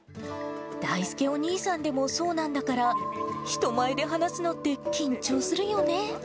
だいすけお兄さんでもそうなんだから、人前で話すのって緊張するよね。